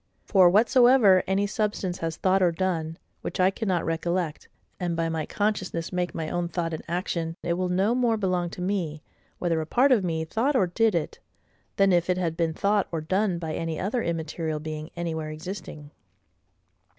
For, whatsoever any substance has thought or done, which I cannot recollect, and by my consciousness make my own thought and action, it will no more belong to me, whether a part of me thought or did it, than if it had been thought or done by any other immaterial being anywhere existing.